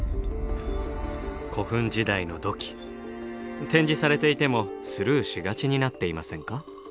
古墳時代の土器展示されていてもスルーしがちになっていませんか？